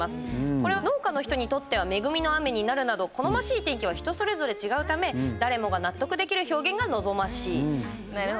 これは農家の人にとっては恵みの雨になるなど好ましい天気は人それぞれ違うため誰もが納得できる表現が望ましい。